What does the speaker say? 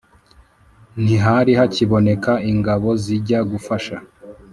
Ntihari hakiboneka ingabo zijya gufasha